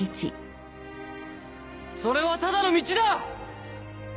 それはただの道だ！